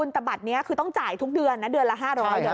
แต่บัตรนี้คือต้องจ่ายทุกเดือนนะเดือนละ๕๐๐บาท